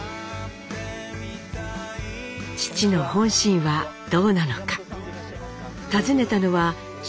父の本心はどうなのか？